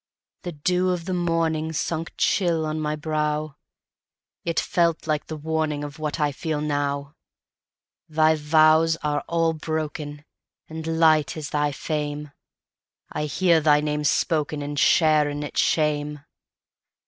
The dew of the morningSunk chill on my brow; It felt like the warningOf what I feel now. Thy vows are all broken, And light is thy fame:I hear thy name spokenAnd share in its shame.